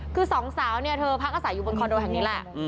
คือสองสาวเนี่ยเธอพักอาศัยอยู่บนคอนโดแห่งนี้แหละ